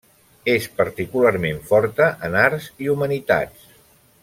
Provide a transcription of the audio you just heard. És particularment forta en Arts i Humanitats.